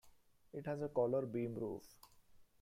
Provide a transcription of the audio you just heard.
It has a collar beam roof.